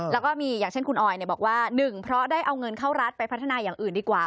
แล้วก็มีอย่างเช่นคุณออยบอกว่า๑เพราะได้เอาเงินเข้ารัฐไปพัฒนาอย่างอื่นดีกว่า